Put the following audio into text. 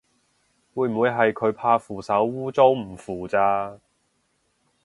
會唔會係佢怕扶手污糟唔扶咋